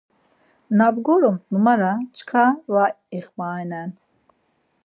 Na gorupt numara çkva va ixmarininen.